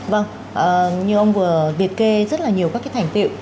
vâng như ông vừa liệt kê rất là nhiều các cái thành tiệu